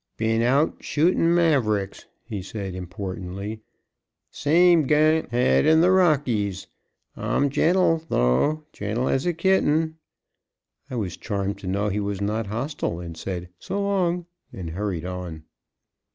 "Been out shootin' mavericks," he said importantly. "Same gun (hic) had in th' Rockies. I'm gentle, though gentle as a kitten." I was charmed to know he was not hostile, said "So long," and hurried on.